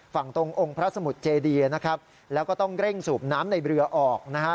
ฝั่งตรงองค์พระสมุทรเจดีนะครับแล้วก็ต้องเร่งสูบน้ำในเรือออกนะฮะ